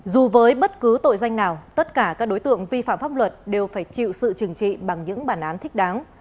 dù với bất cứ tội danh nào tất cả các đối tượng vi phạm pháp luật đều phải chịu sự trừng trị bằng những bản án thích đáng